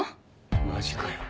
マジかよ。